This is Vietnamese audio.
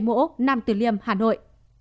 mỗ năm từ liêm hà nội